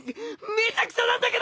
めちゃくちゃなんだけど！